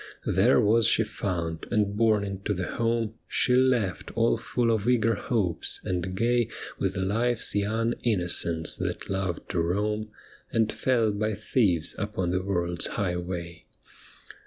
There was she found, and borne into the home She left all full of eager hopes, and gay With life's young innocence that loved to roam. And fell by thieves upon the world's highway.